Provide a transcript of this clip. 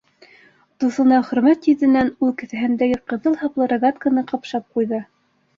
Дуҫына хөрмәт йөҙөнән ул кеҫәһендәге ҡыҙыл һаплы рогатканы ҡапшап ҡуйҙы.